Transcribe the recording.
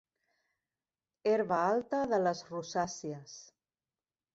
Herba alta de les rosàcies.